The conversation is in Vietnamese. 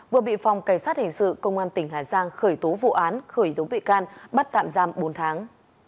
vừa bị phòng cảnh sát hình sự công an tỉnh hà giang khởi tố vụ án khởi tố bị can bắt tạm giam bốn tháng